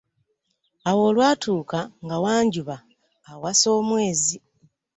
Awo olwatuuka nga Wanjuba awasa omwezi.